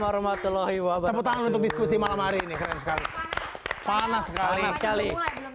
warahmatullahi wabarakatuh untuk diskusi malam hari ini keren sekali panas sekali sekali